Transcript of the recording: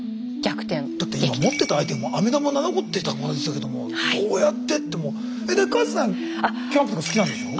だって今持ってたアイテムアメ玉７個ってことでしたけどもどうやってって片瀬さんキャンプが好きなんでしょう？